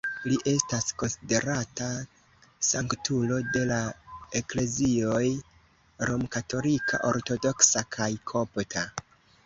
Li estas konsiderata sanktulo de la Eklezioj Romkatolika, Ortodoksa kaj Kopta.